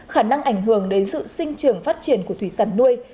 khả năng ảnh hưởng đến sự sinh trưởng phát triển của thủy sản nuôi